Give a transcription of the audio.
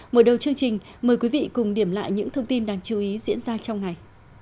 mở đầu chương trình mời quý vị cùng điểm lại những thông tin đáng chú ý diễn ra trong ngày